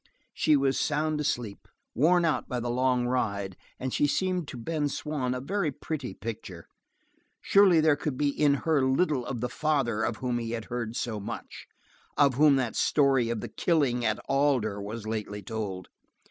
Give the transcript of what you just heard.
She was sound asleep, worn out by the long ride, and she seemed to Ben Swann a very pretty picture. Surely there could be in her little of the father of whom he had heard so much of whom that story of the Killing at Alder was lately told.